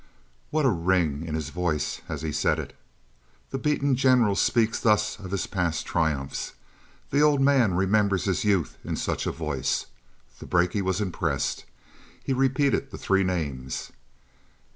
What a ring in his voice as he said it! The beaten general speaks thus of his past triumphs. The old man remembered his youth in such a voice. The brakie was impressed; he repeated the three names.